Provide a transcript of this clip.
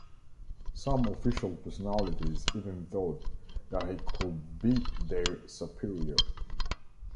Some official personalities even thought that he could be their superior.